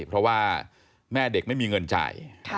เพราะว่าแม่เด็กไม่มีเงินจ่าย